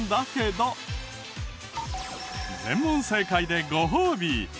全問正解でご褒美！